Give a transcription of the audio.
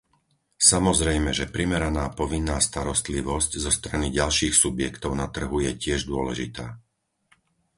Samozrejme, že primeraná povinná starostlivosť zo strany ďalších subjektov na trhu je tiež dôležitá.